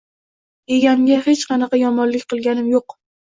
Egamga hech qanaqa yomonlik qilganim yo‘q